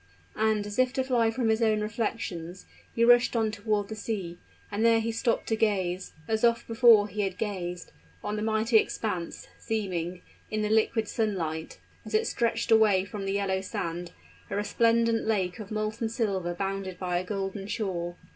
And, as if to fly from his own reflections, he rushed on toward the sea; and there he stopped to gaze, as oft before he had gazed, on the mighty expanse, seeming, in the liquid sunlight, as it stretched away from the yellow sand, a resplendent lake of molten silver bounded by a golden shore.